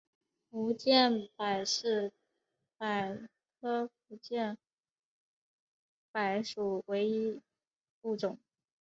福建柏是柏科福建柏属唯一物种。